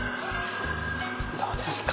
どうですか？